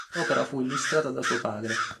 L'opera fu illustrata da suo padre.